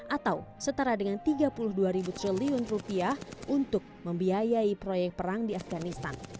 atau setara dengan tiga puluh dua triliun rupiah untuk membiayai proyek perang di afganistan